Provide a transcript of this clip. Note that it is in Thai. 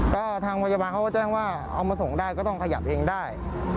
ก็ทางพยาบาลเขาก็แจ้งว่าเอามาส่งได้ก็ต้องขยับเองได้